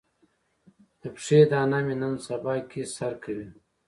د پښې دانه مې نن سبا کې سر کوي.